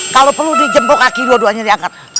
kalau perlu dijempuk kaki dua duanya diangkat